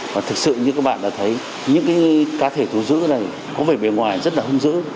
và thực sự như các bạn đã thấy những cá thể tú giữ này có vẻ bề ngoài rất là hung dữ